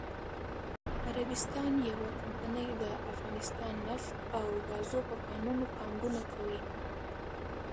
عربستان یوه کمپنی دافغانستان نفت او ګازو په کانونو پانګونه کوي.😱